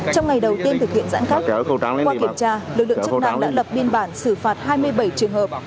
trong ngày đầu tiên thực hiện giãn cách qua kiểm tra lực lượng chức năng đã lập biên bản xử phạt hai mươi bảy trường hợp